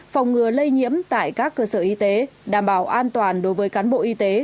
phòng ngừa lây nhiễm tại các cơ sở y tế đảm bảo an toàn đối với cán bộ y tế